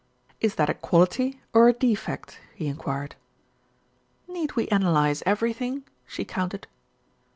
"Is that a quality or a defect?" he enquired. "Need we analyse everything?" she countered.